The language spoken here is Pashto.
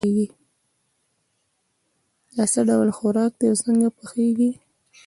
دا څه ډول خوراک ده او څنګه پخیږي